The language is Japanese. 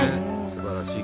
すばらしい。